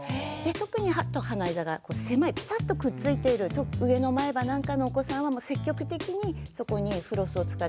特に歯と歯の間が狭いピタッとくっついている上の前歯なんかのお子さんは積極的にそこにフロスを使って頂いて。